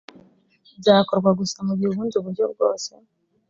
byakorwa gusa mu gihe ubundi buryo bwose